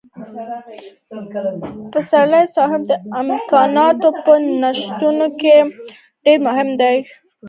پسرلی صاحب د امکاناتو په نشتون کې د سپېدې مجله را وايستله.